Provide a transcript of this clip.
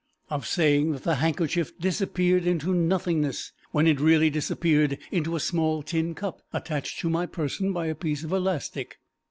Of saying that the handkerchief disappeared into nothingness, when it really disappeared into a small tin cup, attached to my person by a piece of elastic.